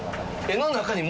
絵の中に。